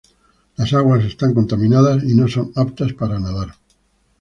Las aguas están contaminadas y no son aptas para nadar.